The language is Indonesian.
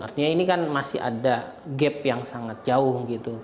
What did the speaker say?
artinya ini kan masih ada gap yang sangat jauh gitu